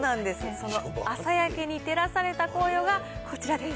その朝焼けに照らされた紅葉がこちらです。